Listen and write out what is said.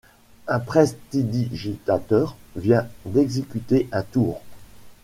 Un prestidigitateur vient d'exécuter un tour.